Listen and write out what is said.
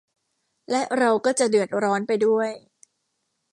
และเราก็จะเดือดร้อนไปด้วย